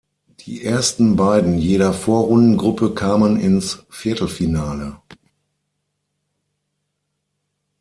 Die ersten beiden jeder Vorrundengruppe kamen ins Viertelfinale.